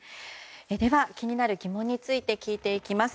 では、気になる疑問について聞いていきます。